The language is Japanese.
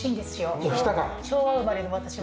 昭和生まれの私は。